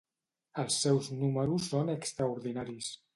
Els seus números són extraordinaris.